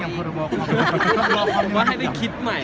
จะบอกกันอะไรเขาจะดี